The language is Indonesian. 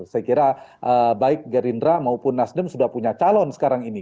saya kira baik gerindra maupun nasdem sudah punya calon sekarang ini